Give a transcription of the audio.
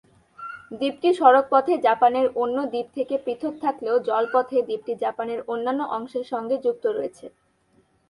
দ্বীপটি সড়ক পথে জাপানের অন্য দ্বীপ থেকে পৃথক থাকলেও জল পথে দ্বীপটি জাপানের অন্যান্য অংশের সঙ্গে যুক্ত রয়েছে।